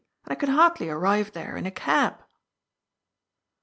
And I can hardly arrive there in a cab.''